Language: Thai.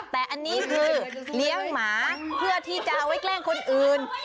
แต่อันนี้คือเลี้ยงหมาเพื่อที่จะเอาไว้แกล้งคนอื่น